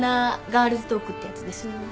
ガールズトークってやつです。